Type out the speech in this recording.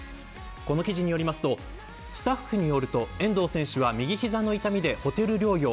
この記事によりますとスタッフによると遠藤選手は右膝の痛みでホテル療養。